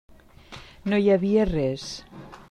No hi havia res.